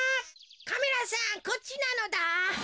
カメラさんこっちなのだ。